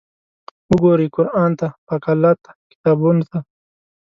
وګورئ قرآن ته، پاک الله ته، کتابونو ته!